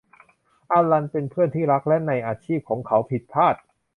อัลลันเป็นเพื่อนที่รักและในอาชีพของเขาผิดพลาด